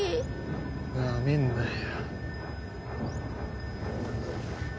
なめんなよ。